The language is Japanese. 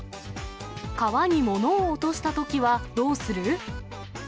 川にものを落としたときはどうする？